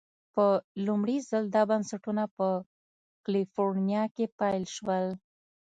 په لومړي ځل دا بنسټونه په کلفورنیا کې پیل شول.